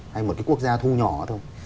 hay một cái quốc gia thu nhỏ thôi